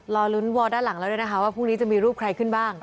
รอลุ้นวอลด้านหลังแล้วด้วยนะคะว่าพรุ่งนี้จะมีรูปใครขึ้นบ้าง